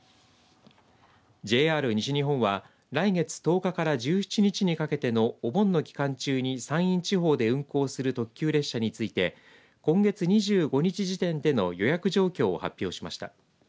ＪＲ西日本は来月１０日から１７日にかけてのお盆の期間中に山陰地方で運行する特急列車について今月２５日時点での予約状況を発表しました。